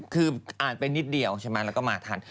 คืออ่านไปนิดเดียวใช่ไหมแล้วก็มาทัน